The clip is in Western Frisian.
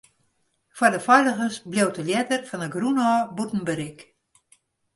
Foar de feiligens bliuwt de ljedder fan 'e grûn ôf bûten berik.